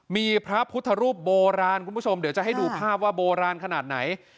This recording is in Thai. มีพระพุทธรูปโบราณคุณผู้ชมเดี๋ยวจะให้ดูภาพว่าโบราณขนาดไหน